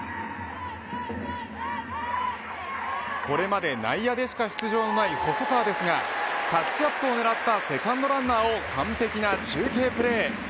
これまで内野でしか出場のない細川ですがタッチアップを狙ったセカンドランナーを完璧な中継プレー。